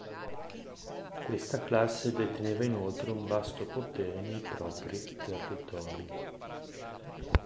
Questa classe deteneva inoltre un vasto potere nei propri territori.